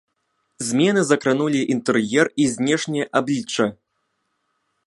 Змены закранулі інтэр'ер і знешняе аблічча.